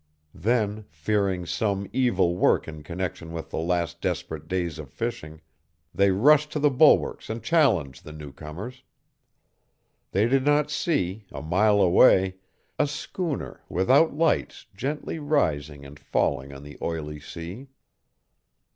Then, fearing some evil work in connection with the last desperate days of fishing, they rushed to the bulwarks and challenged the newcomers. They did not see, a mile away, a schooner without lights gently rising and falling on the oily sea.